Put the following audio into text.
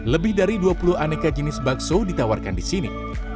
lebih dari dua puluh aneka jenis bakso ditawarkan di sini